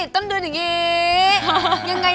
ต้องเดินอย่างนี้